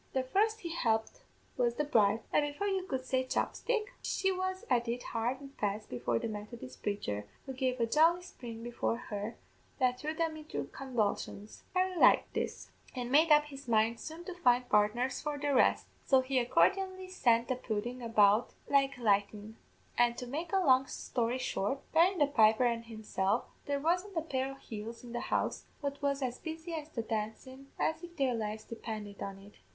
The first he helped was the bride, and, before you could say chopstick, she was at it hard an' fast before the Methodist praicher, who gave a jolly spring before her that threw them into convulsions. Harry liked this, and made up his mind soon to find partners for the rest; so he accordianly sent the pudden about like lightnin'; an' to make a long story short, barrin' the piper an' himself, there wasn't a pair o' heels in the house but was as busy at the dancin' as if their lives depinded on it.